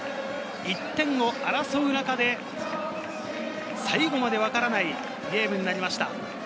１点を争う中で最後まで分からないゲームになりました。